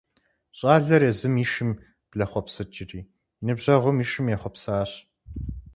Щӏалэр езым и шым блэхъуэпсыкӏри и ныбжьэгъум и шым ехъуэпсащ.